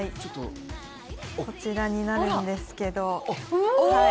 こちらになるんですけど。